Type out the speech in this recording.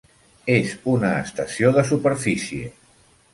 És una estació de superfície.